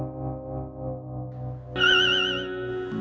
kenapa antum bisa ngajarin orang yang berpuasa pada saat berpuasa